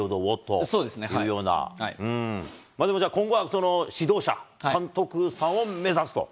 じゃあでも今後は指導者、監督さんを目指すと。